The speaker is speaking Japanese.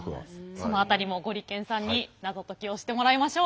その辺りもゴリけんさんにナゾ解きをしてもらいましょう。